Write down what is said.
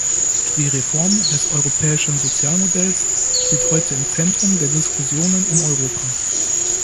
Die Reform des Europäischen Sozialmodells steht heute im Zentrum der Diskussionen in Europa.